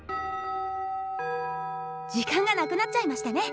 時間がなくなっちゃいましたね。